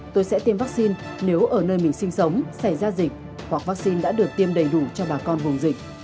tôi sẽ tiêm vắc xin nếu ở nơi mình sinh sống xảy ra dịch hoặc vắc xin đã được tiêm đầy đủ cho bà con vùng dịch